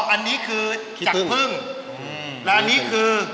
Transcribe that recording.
อันนี้คือจากพึ่งและอันนี้คือ